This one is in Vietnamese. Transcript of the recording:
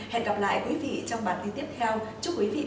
hẹn gặp lại quý vị trong bản tin tiếp theo chúc quý vị bình an trong đại dịch